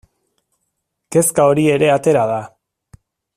Kezka hori ere atera da.